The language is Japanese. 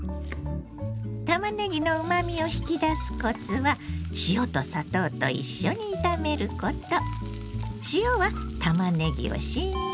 たまねぎのうまみを引き出すコツは塩と砂糖と一緒に炒めること。